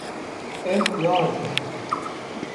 Ew naajon.